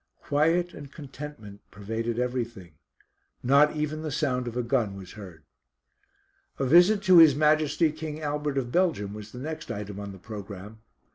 Quiet and contentment pervaded everything; not even the sound of a gun was heard. A visit to His Majesty, King Albert of Belgium, was the next item on the programme.